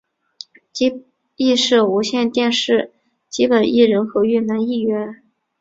亦是无线电视基本艺人合约男艺员。